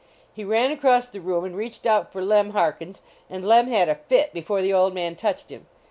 He ran across the room and reached out for Lem Harkins, and Lem had a fit be fore the old man touched him.